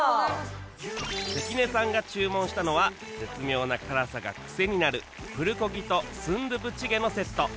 関根さんが注文したのは絶妙な辛さがクセになるプルコギと純豆腐チゲのセット